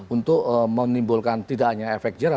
untuk menimbulkan tidak hanya efek jerah